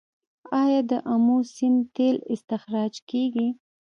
آیا د امو سیند تیل استخراج کیږي؟